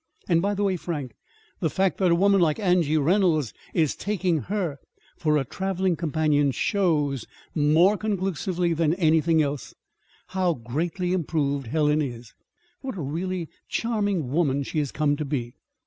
And, by the way, Frank, the fact that a woman like Angie Reynolds is taking her for a traveling companion shows, more conclusively than anything else could, how greatly improved Helen is what a really charming woman she has come to be.